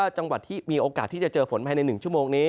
จังหวัดที่มีโอกาสที่จะเจอฝนภายใน๑ชั่วโมงนี้